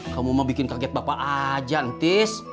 kamu mau bikin kaget bapak aja intis